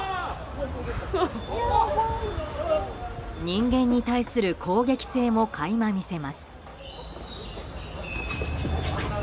人間に対する攻撃性も垣間見せます。